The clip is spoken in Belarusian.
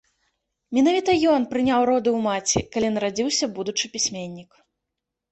Менавіта ён прыняў роды ў маці, калі нарадзіўся будучы пісьменнік.